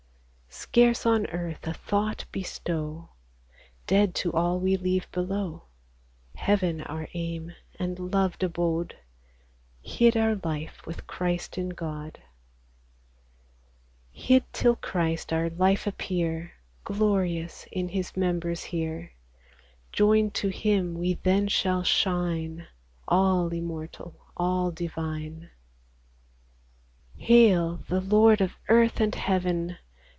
Scarce on earth a thought bestow, Dead to all we leave below, Heaven our aim and loved abode, Hid our life with Christ in God, — Hid, till Christ our life appear, Glorious in His members here ; Joined to Him, we then shall shine, All immortal, all divine. 69 Hail, the Lord of earth and heaven